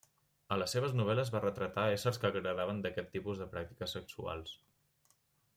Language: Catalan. A les seves novel·les va retratar éssers que agradaven d'aquest tipus de pràctiques sexuals.